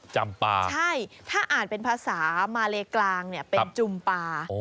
จำปลาใช่ถ้าอ่านเป็นภาษามาเลกลางเนี่ยเป็นจุมปลา